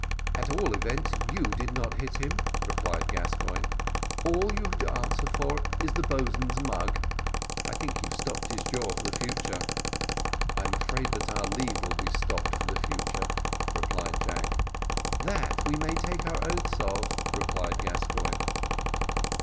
"At all events, you did not hit him," replied Gascoigne; "all you have to answer for is the boatswains's mug I think you've stopped his jaw for the future." "I'm afraid that our leave will be stopped for the future," replied Jack. "That we may take our oaths of," replied Gascoigne.